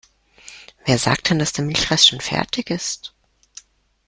Wer sagt denn, dass der Milchreis schon fertig ist?